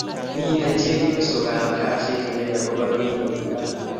mito chepyosok ab kaa che rirei akoba beit ne mii parak